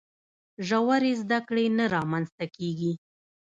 ژورې زده کړې نه رامنځته کیږي.